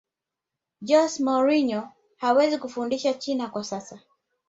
jose mourinho hawezi kufundisha china kwa sasa